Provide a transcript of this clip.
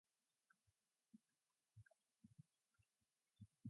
Lloyd was born in Maesteg, Glamorgan, the daughter of two teachers.